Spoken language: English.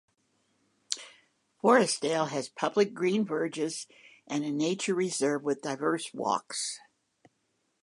Forestdale has public green verges and a nature reserve with diverse walks.